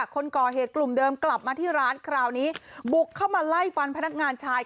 คนก่อเหตุกลุ่มเดิมกลับมาที่ร้านคราวนี้บุกเข้ามาไล่ฟันพนักงานชาย